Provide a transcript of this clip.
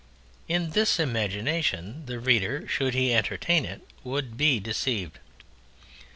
In this imagination the reader, should he entertain it, would be deceived.